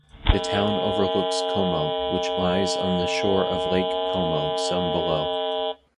The town overlooks Como, which lies on the shore of Lake Como some below.